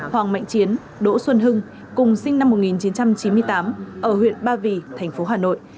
hoàng mạnh chiến đỗ xuân hưng cùng sinh năm một nghìn chín trăm chín mươi tám ở huyện ba vì thành phố hà nội